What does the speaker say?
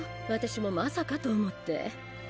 私もまさかと思って。